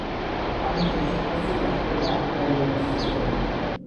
თამაშის შეფასება ხდება ათ ბალიანი სისტემით.